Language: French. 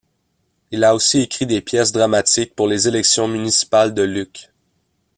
Il a aussi écrit des pièces dramatiques pour les élections municipales de Lucques.